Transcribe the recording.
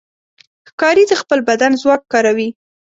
ښکاري د خپل بدن ځواک کاروي.